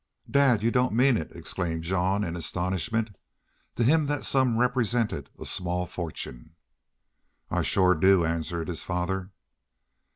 "Dad! You don't mean it!" exclaimed Jean, in astonishment. To him that sum represented a small fortune. "I shore do," answered his father.